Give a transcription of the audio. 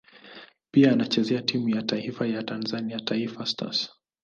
Pia anachezea timu ya taifa ya Tanzania Taifa Stars.